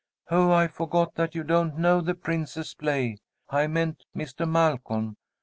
"Oh, I forgot that you don't know the Princess play. I meant Mister Malcolm.